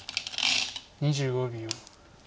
２５秒。